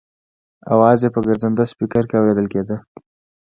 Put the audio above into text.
اواز یې په ګرځنده سپېکر کې اورېدل کېده.